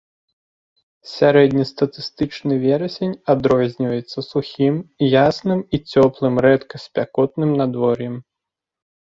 Сярэднестатыстычны верасень адрозніваецца сухім, ясным і цёплым, рэдка спякотным надвор'ем.